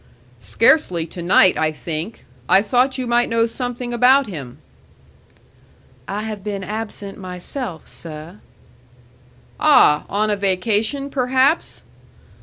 "Scarcely to night, I think. I thought you might know something about him." "I have been absent myself, seh." "Ah! On a vacation, perhaps?"